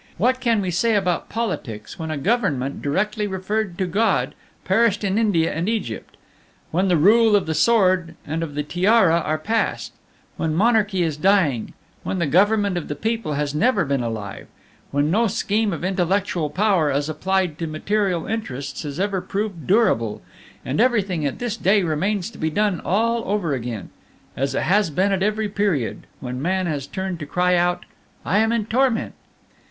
What can we say about politics when a Government directly referred to God perished in India and Egypt; when the rule of the Sword and of the Tiara are past; when Monarchy is dying; when the Government of the People has never been alive; when no scheme of intellectual power as applied to material interests has ever proved durable, and everything at this day remains to be done all over again, as it has been at every period when man has turned to cry out, 'I am in torment!'